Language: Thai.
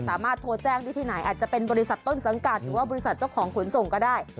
สามารถโทรแจ้งได้ที่ไหนอาจจะเป็นบริษัทต้นสังกัดหรือว่าบริษัทเจ้าของขนส่งก็ได้